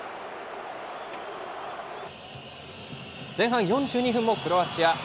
前半４２分もクロアチア。